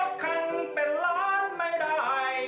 โอชอบเสียงดี